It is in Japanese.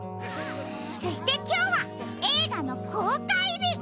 そしてきょうはえいがのこうかいび！